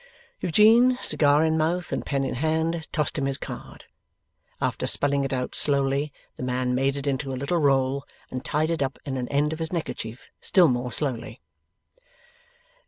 Eugene, cigar in mouth and pen in hand, tossed him his card. After spelling it out slowly, the man made it into a little roll, and tied it up in an end of his neckerchief still more slowly.